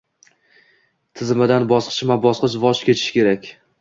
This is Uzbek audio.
Tizimidan bosqichma-bosqich voz kechish kerak